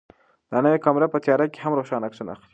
دا نوې کامره په تیاره کې هم روښانه عکسونه اخلي.